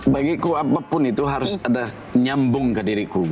bagiku apapun itu harus ada nyambung ke diriku